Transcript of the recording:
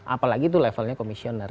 apalagi itu levelnya komisioner